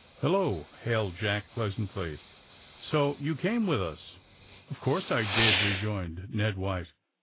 "Hello!" hailed Jack pleasantly. "So you came with us ?" "Of course I did," rejoined Ned White.